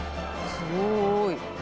すごい。